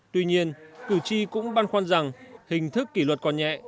tuy nhiên cử tri cũng băn khoăn rằng hình thức kỷ luật còn nhẹ